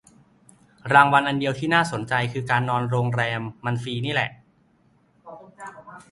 รางวัลอันเดียวที่น่าสนคือนอนโรงแรมมันฟรีนี่แหละ